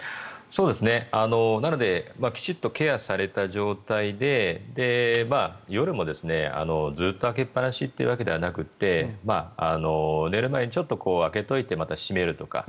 なのできちんとケアされた状態で夜もずっと開けっ放しではなくて寝る前にちょっと開けておいてまた閉めるとか